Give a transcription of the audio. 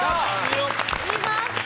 いいぞ！